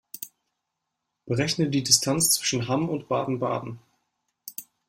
Berechne die Distanz zwischen Hamm und Baden-Baden